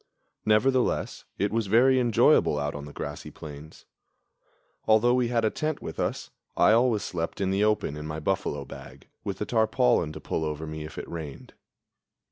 Nevertheless it was very enjoyable out on the great grassy plains. Although we had a tent with us, I always slept in the open in my buffalo bag, with the tarpaulin to pull over me if it rained.